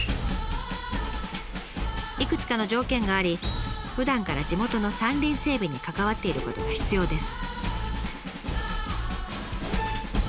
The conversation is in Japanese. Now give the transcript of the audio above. いくつかの条件がありふだんから地元の山林整備に関わっていることが必要です。